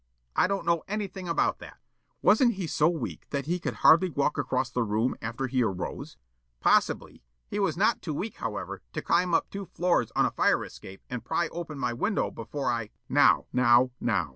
Yollop: "I don't know anything about that." Counsel: "Wasn't he so weak that he could hardly walk across the room after he arose?" Yollop: "Possibly. He was not too weak, however, to climb up two floors on a fire escape and pry open my window before I, " Counsel: "Now, now, now!